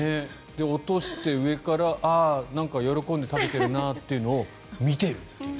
落として上からあ、喜んで食べているなというのを見ているという。